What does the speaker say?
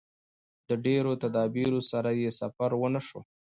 د ډېرو تدابیرو سره یې سفر ونشو.